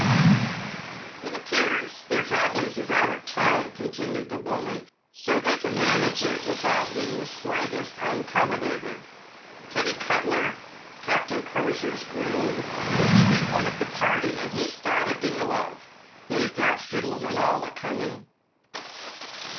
" It appears their families is out of town," continued the woman, " so they can manage it without being the slightest uncommodated. Teddy Cuttler, Captain Crosier's groom, is to be one of the party, and he's thought a deal of. They've got fiddles and all a coming."